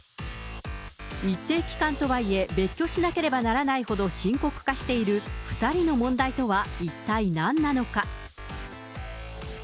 一定期間とはいえ、別居しなければならないほど深刻化している２人の問題とは一体なんなのか。